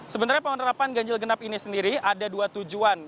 sebenarnya penerapan ganjil genap ini sendiri ada dua tujuan